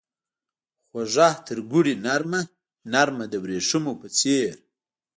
خوږه ترګوړې نرمه ، نرمه دوریښمو په څیر